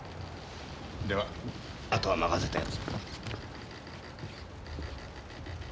ではあとは任せたよ。